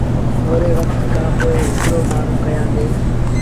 ٿوري وکت کآݩ پو هڪڙي مآڻهوٚݩ ڪيآندي۔